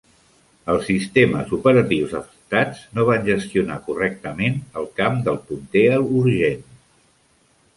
Els sistemes operatius afectats no van gestionar correctament el camp del punter urgent.